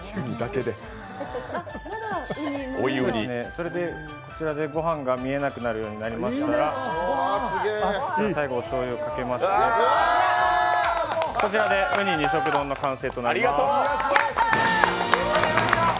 それでこちらでご飯が見えなくなるようになりましたら、最後におしょうゆをかけまして、こちらでウニ２色丼の完成となります。